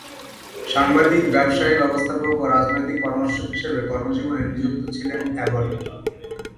সাংবাদিক, ব্যবসায়ে ব্যবস্থাপক ও রাজনৈতিক পরামর্শক হিসেবে কর্মজীবনে নিযুক্ত ছিলেন অ্যাবট।